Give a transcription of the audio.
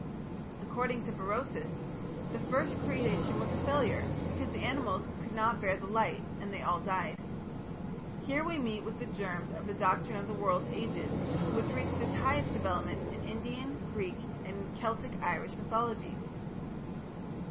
According to Berosus the first creation was a failure, because the animals could not bear the light and they all died. Here we meet with the germs of the Doctrine of the World's Ages, which reached its highest development in Indian, Greek, and Celtic (Irish) mythologies.